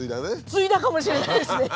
継いだかもしれないですね。